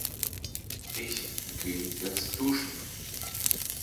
Ich geh jetzt duschen.